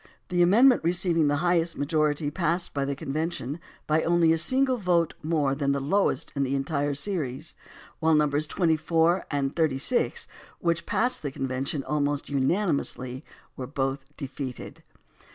The amendment receiving the highest majority passed the convention by only a single vote more than the lowest in the entire series, while Nos. 24 and 36, which passed the convention almost unanimously, were both defeated.